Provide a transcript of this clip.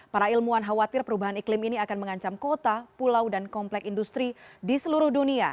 para ilmuwan khawatir perubahan iklim ini akan mengancam kota pulau dan komplek industri di seluruh dunia